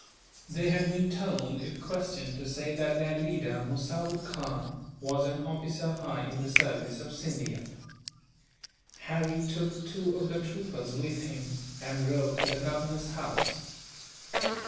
They had been told, if questioned, to say that their leader, Musawood Khan, was an officer high in the service of Scindia. Harry took two of the troopers with him, and rode to the governor's house.